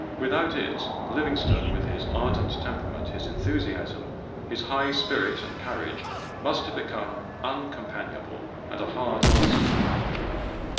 Without it, Livingstone, with his ardent temperament, his enthusiasm, his high spirit and courage, must have become uncompanionable, and a hard master.